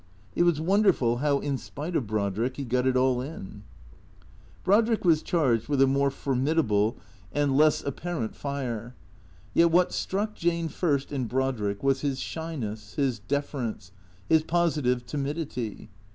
It was wonderful how in spite of Brodrick he got it all in. Brodrick was charged with a more formidable and less ap 66 THE CREATORS parent fire. Yet what struck Jane first in Brodrick was his shyness, his deference, his positive timidity.